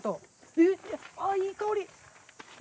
えっいい香り。